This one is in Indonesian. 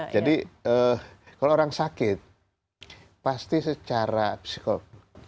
jadi kalau orang sakit pasti secara psikologi